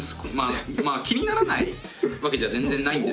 まあ気にならないわけじゃ全然ないんですけど。